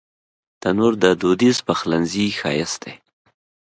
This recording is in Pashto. تنور د دودیز پخلنځي ښایست دی